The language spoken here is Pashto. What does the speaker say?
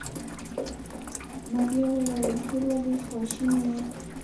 ماريا وويل ته ولې خواشيني يې.